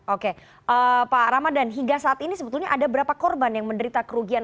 oke pak ramadan hingga saat ini sebetulnya ada berapa korban yang menderita kerugian